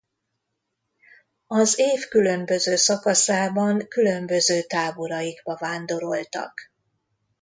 Az év különböző szakaszában különböző táboraikba vándoroltak.